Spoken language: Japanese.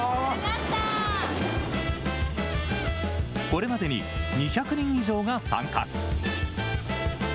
これまでに２００人以上が参加。